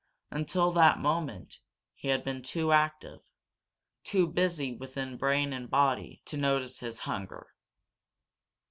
Until that moment, he had been too active, too busy with brain and body, to notice his hunger.